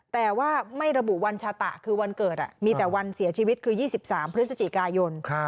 แต่ว่าไม่ระบุวันชาตะคือวันเกิดมีแต่วันเสียชีวิตคือ๒๓พฤศจิกายน